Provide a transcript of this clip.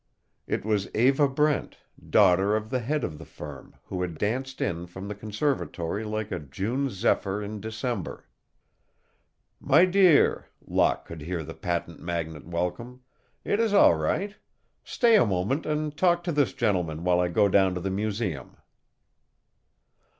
It was Eva Brent, daughter of the head of the firm, who had danced in from the conservatory like a June zephyr in December. "My dear," Locke could hear the patent magnate welcome, "it is all right. Stay a moment and talk to this gentleman while I go down to the museum."